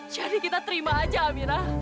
jadi kita terima aja amira